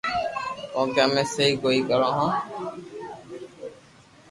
ڪويڪھ تمي سھي ڪوئي ڪرو ھون